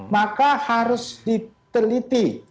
maka harus diteliti